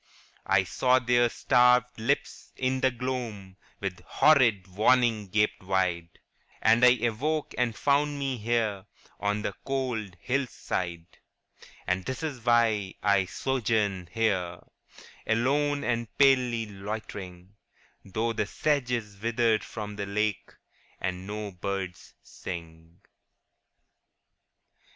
* I saw their starved lips in the gloam With horrid warning gaped wide, And I awoke and found me here On the cold hill side. ' And this is why I sojourn here Alone and palely loitering, Though the sedge is withered from the lake, And no birds sing.' J.